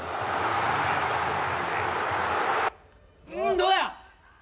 どうや？